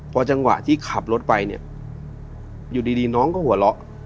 พอจังหวะที่ขับรถไปเนี่ยอยู่ดีน้องก็หัวเราะ